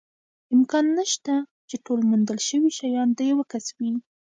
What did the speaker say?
امکان نشته، چې ټول موندل شوي شیان د یوه کس وي.